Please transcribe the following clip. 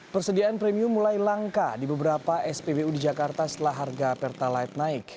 persediaan premium mulai langka di beberapa spbu di jakarta setelah harga pertalite naik